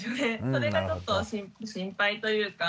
それがちょっと心配というか。